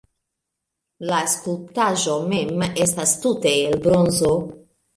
La skulptaĵo mem estas tute el bronzo